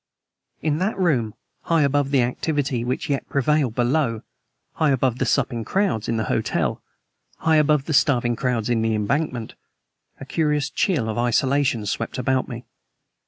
In that room, high above the activity which yet prevailed below, high above the supping crowds in the hotel, high above the starving crowds on the Embankment, a curious chill of isolation swept about me.